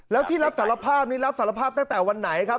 แล้วที่รับสารภาพนี้รับสารภาพตั้งแต่วันไหนครับ